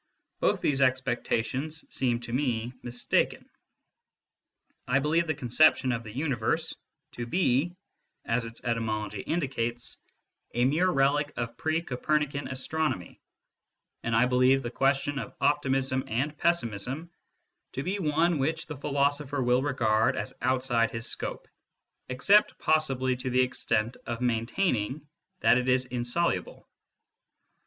Both these expecta tions seem to me mistaken. I believe the conception of " the universe " to be ; as its etymology indicates, a SCIENTIFIC METHOD IN PHILOSOPHY 99 mere relic of pre Copernican astronomy : and I believe the question of optimism and pessimism to be one which the philosopher will regard as outside his scope, except, possibly, to the extent of maintaining that it is insoluble.